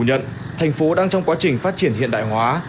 nhận thành phố đang trong quá trình phát triển hiện đại hóa